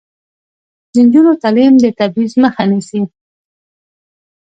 د نجونو تعلیم د تبعیض مخه نیسي.